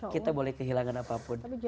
kita boleh kehilangan apapun